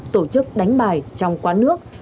tổ chức đánh bài trong quán nước